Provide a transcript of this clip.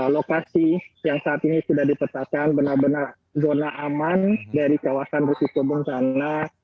lokasi yang saat ini sudah dipetakan benar benar zona aman dari kawasan rusukebun sana